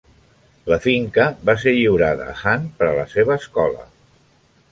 La finca va ser lliurada a Hahn per a la seva escola.